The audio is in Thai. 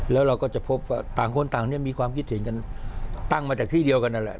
แล้วเราก็จะพบว่าต่างคนต่างเนี่ยมีความคิดเห็นกันตั้งมาจากที่เดียวกันนั่นแหละ